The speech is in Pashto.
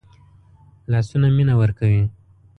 لاسونه مینه ورکوي